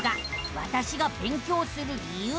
「わたしが勉強する理由」。